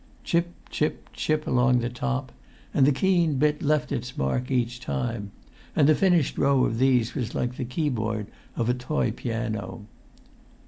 Chip, chip, chip along the top; and the keen bit left its mark each time; and the finished row of these was like the key board of a toy piano.